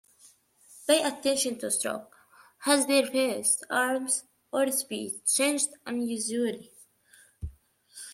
Pay attention to stroke... has their Face, Arms or Speech changed unusually?